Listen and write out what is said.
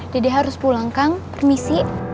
dede harus pulang kang permisi